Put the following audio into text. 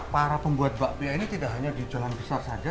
para pembuat bakpia ini tidak hanya di jalan besar saja